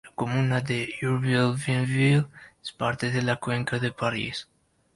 La comuna de "Eurville-Bienville" es parte de la cuenca de París.